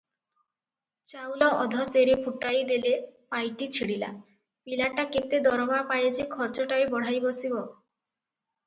ଚାଉଳ ଅଧସେରେ ଫୁଟାଇ ଦେଲେ ପାଇଟି ଛିଡ଼ିଲା, ପିଲାଟା କେତେ ଦରମା ପାଏ ଯେ ଖର୍ଚ୍ଚଟାଏ ବଢ଼ାଇ ବସିବ?